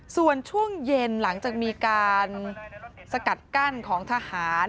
ส่วนช่วงเย็นหลังจากมีการสกัดกั้นของทหาร